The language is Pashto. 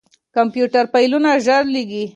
کمپيوټر فايلونه ژر لېږي.